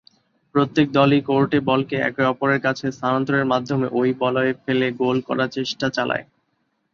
প্রত্যেক দলই কোর্টে বলকে একে-অপরের কাছে স্থানান্তরের মাধ্যমে ঐ বলয়ে ফেলে গোল করার চেষ্টা চালায়।